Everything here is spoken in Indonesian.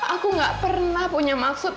aku gak pernah punya maksud